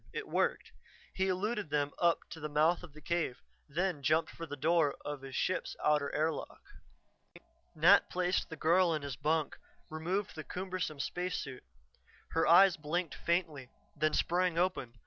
It worked. He eluded them up to the mouth of the cave, then jumped for the door of his ship's outer airlock. Nat placed the girl in his bunk, removed the cumbersome spacesuit. Her eyes blinked faintly, then sprang open.